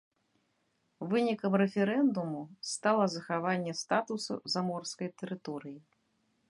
Вынікам рэферэндуму стала захаванне статусу заморскай тэрыторыі.